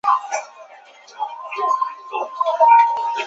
他在讲故事时模仿不同的声音效果。